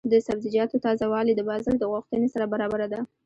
د سبزیجاتو تازه والي د بازار د غوښتنې سره برابره ده.